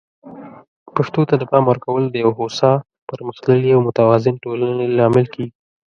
پښتو ته د پام ورکول د یو هوسا، پرمختللي او متوازن ټولنې لامل کیږي.